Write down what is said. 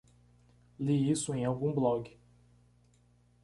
Li isso em algum blog